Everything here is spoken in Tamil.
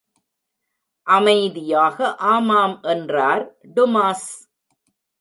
அமைதியாக, ஆமாம் என்றார் டுமாஸ்.